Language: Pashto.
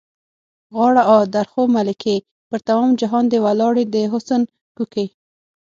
غاړه؛ آ، درخو ملکې! پر تمام جهان دې ولاړې د حُسن کوکې.